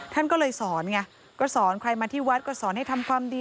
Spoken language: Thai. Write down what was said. ท่านก็เลยสอนไงก็สอนใครมาที่วัดก็สอนให้ทำความดี